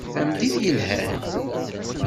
Tameddit yelhan.